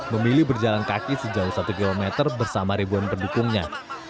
memilih berjalan kaki sejauh satu km bersama ribuan pendukungnya